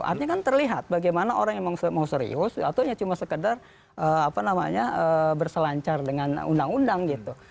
artinya kan terlihat bagaimana orang yang mau serius atau hanya cuma sekedar berselancar dengan undang undang gitu